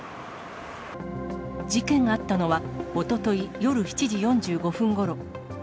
事件があったのは、おととい夜７時４５分ごろ。